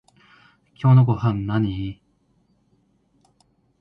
今日のごはんなに？